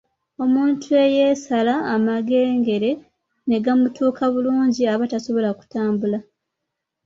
Omuntu eyeesala amagengere ne gamutuuka bulungi aba tasobola kutambula.